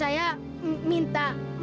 emangnya biar terangin